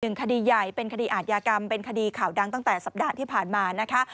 คดีใหญ่เป็นคดีอาทยากรรมเป็นคดีข่าวดังตั้งแต่สัปดาห์ที่ผ่านมานะคะ